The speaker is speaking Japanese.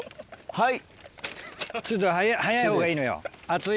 はい。